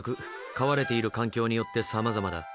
飼われている環境によってさまざまだ。